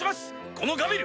このガビル！